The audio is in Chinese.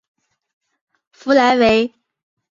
弗莱维。